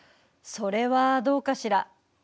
それはどうかしら。